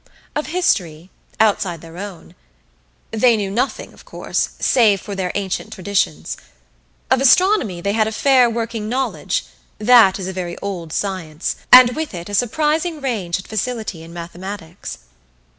Of history outside their own they knew nothing, of course, save for their ancient traditions. Of astronomy they had a fair working knowledge that is a very old science; and with it, a surprising range and facility in mathematics.